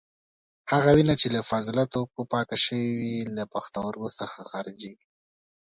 هغه وینه چې له فاضله توکو پاکه شوې وي له پښتورګو څخه خارجېږي.